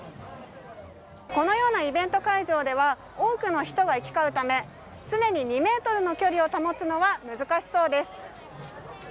このようなイベント会場では多くの人が行きかうため常に２ｍの距離を保つのは難しそうです。